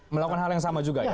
melakukan hal yang sama juga ya